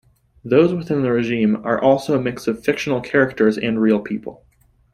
Those within the regime are also a mix of fictional characters and real people.